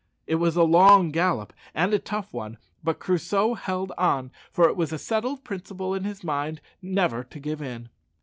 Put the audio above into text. It was a long gallop and a tough one, but Crusoe held on, for it was a settled principle in his mind never to give in.